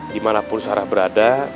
dimanapun sarah berada